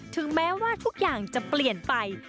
ถึงแม้ว่าทุกอย่างจะเปลี่ยนไป